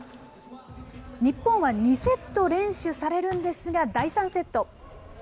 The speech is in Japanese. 日本は２セット連取されるんですが第３セット。